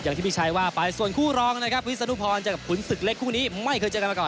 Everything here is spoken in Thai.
ที่พี่ชัยว่าไปส่วนคู่รองนะครับวิศนุพรเจอกับขุนศึกเล็กคู่นี้ไม่เคยเจอกันมาก่อน